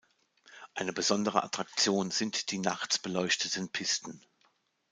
Eine besondere Attraktion sind die nachts beleuchteten Pisten.